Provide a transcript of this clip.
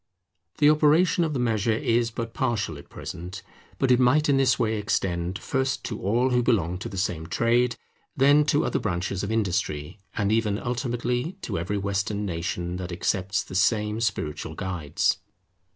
The operation of the measure is but partial at present, but it might in this way extend, first to all who belong to the same trade, then to other branches of industry, and even ultimately to every Western nation that accepts the same spiritual guides.